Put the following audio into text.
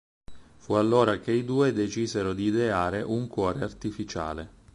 Fu allora che i due decisero di ideare un cuore artificiale.